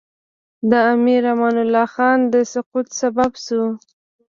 د امیر امان الله خان د سقوط سبب شو.